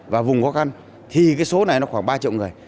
và vùng khó khăn thì cái số này nó khoảng ba triệu người